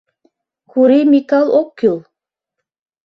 — Кури Микал ок кӱл.